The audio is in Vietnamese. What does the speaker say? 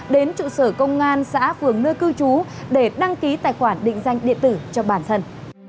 đến trụ sở công an xã phường nơi cư trú để đăng ký tài khoản định danh điện tử cho bản thân